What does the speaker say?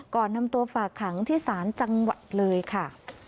ก่อนนำตัวฝากขังที่ศาลจังหวัดเลยค่ะ